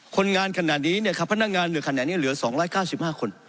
พนักงานขนาดนี้เหลือ๒๙๕คน